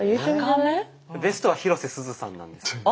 ベストは広瀬すずさんなんです。